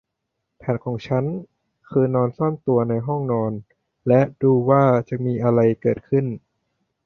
แผนของฉันคือนอนซ่อนตัวในห้องนอนและดูว่าจะมีอะไรเกิดขึ้น